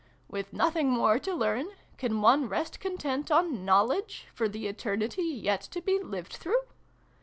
With nothing more to learn, can one rest content on knowledge, for the eternity yet to be lived through